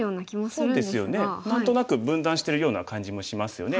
そうですよね何となく分断しているような感じもしますよね。